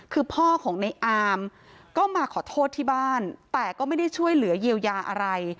คือพ่อของในอามก็มาขอโทษที่บ้านแต่ก็ไม่ได้ช่วยเหลือเยียวยาอะไร